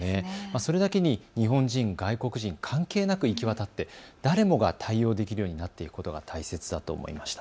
それだけに日本人、外国人関係なく行き渡って誰もが対応できるようになっていくことが大切だと思いました。